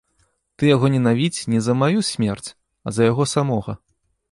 Ты яго ненавідзь не за маю смерць, а за яго самога.